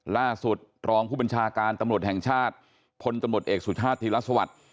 ล่าสุดรองผู้บัญชาการตำรวจแห่งชาติพลตำรวจเอกสุทธาตุธิรัฐสวรรค์